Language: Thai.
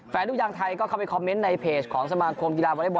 ลูกยางไทยก็เข้าไปคอมเมนต์ในเพจของสมาคมกีฬาวอเล็กบอล